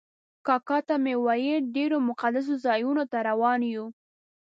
کاکا ته مې وویل ډېرو مقدسو ځایونو ته روان یو.